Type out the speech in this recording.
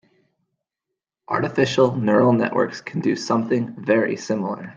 Artificial neural networks can do something very similar.